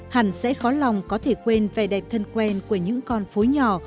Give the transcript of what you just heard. hẳn sẽ khó lòng có thể quên vẻ đẹp thân quen của những con phố nhỏ